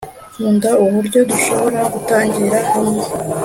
nkunda uburyo dushobora gusangira hamwe